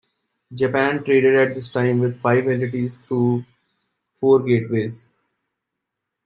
Japan traded at this time with five entities, through four "gateways".